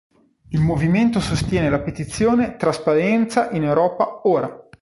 Il movimento sostiene la petizione "Trasparenza in Europa ora!